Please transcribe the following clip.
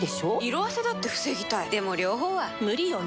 色あせだって防ぎたいでも両方は無理よね？